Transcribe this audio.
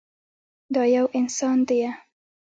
دا يو انسان ديه.